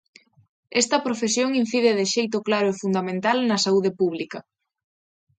Esta profesión incide de xeito claro e fundamental na saúde pública.